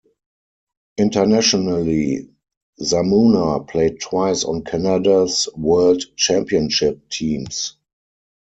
Internationally, Zamuner played twice on Canada's world championship teams.